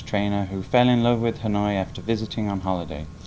đang sinh sống học tập và làm việc tại các nơi khác